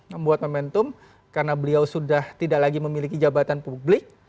membuat momentum karena beliau sudah tidak lagi memiliki jabatan publik